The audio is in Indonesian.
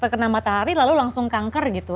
kena matahari lalu langsung kanker gitu